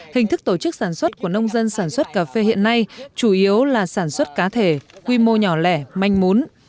hình thức tổ chức sản xuất của nông dân sản xuất cà phê hiện nay chủ yếu là sản xuất cá thể quy mô nhỏ lẻ manh mún